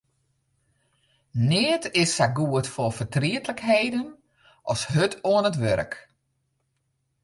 Neat is sa goed foar fertrietlikheden as hurd oan it wurk.